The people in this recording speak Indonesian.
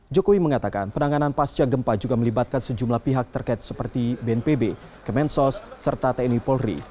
jokowi mengatakan penanganan pasca gempa juga melibatkan sejumlah pihak terkait seperti bnpb kemensos serta tni polri